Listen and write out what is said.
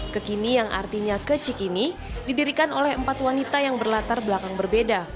kekini yang artinya ke cikini didirikan oleh empat wanita yang berlatar belakang berbeda